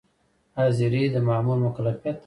حاضري د مامور مکلفیت دی